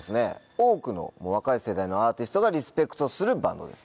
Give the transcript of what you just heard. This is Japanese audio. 多くの若い世代のアーティストがリスペクトするバンドです。